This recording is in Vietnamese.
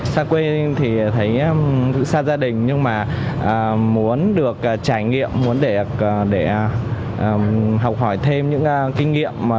xa quê thì thấy xa gia đình nhưng mà muốn được trải nghiệm muốn để học hỏi thêm những kinh nghiệm